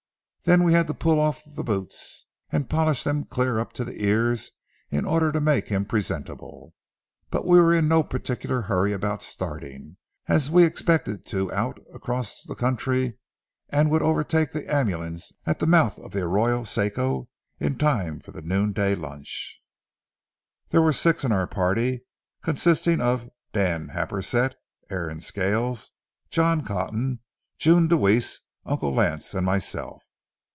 Then we had to pull the boots off and polish them clear up to the ears in order to make him presentable. But we were in no particular hurry about starting, as we expected to out across the country and would overtake the ambulance at the mouth of the Arroyo Seco in time for the noonday lunch. There were six in our party, consisting of Dan Happersett, Aaron Scales, John Cotton, June Deweese, Uncle Lance, and myself.